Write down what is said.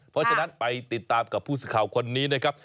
เพราะฉะนั้นไปติดตามกับผู้สื่อข่าวคนนี้นะครับ